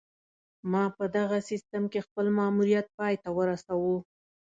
ما په دغه سیستم کې خپل ماموریت پای ته ورسوو